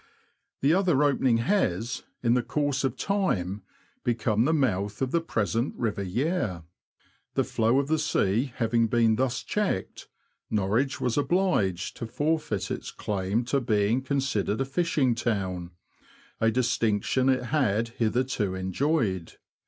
The other opening has, in the course of time, become the mouth of the present river Yare. The flow of the sea having been thus checked, Norwich was obliged to forfeit its claim to being considered a fishing town, a distinction it had hitherto enjoyed.